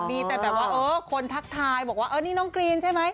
ดีแต่ว่าคนทักทายบอกว่านี่น้องกรีนใช่ไหม